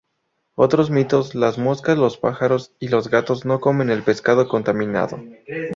Otros mitos: las moscas, los pájaros y gatos no comen el pescado contaminado.